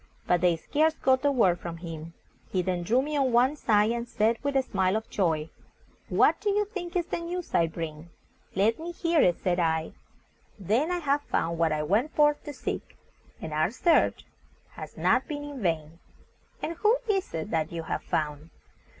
But they scarce got a word from him. He then drew me on one side, and said, with a smile of joy, "What do you think is the news I bring?" "Let me hear it," said I. "Then I have found what I went forth to seek, and our search has not been in vain." "And who is it that you have found?"